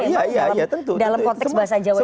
iya iya tentu dalam konteks bahasa jawa itu